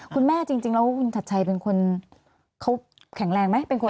คุณแม่จริงจริงแล้วว่าคุณชัดชัยเป็นคนเขาแข็งแรงไหมเป็นคน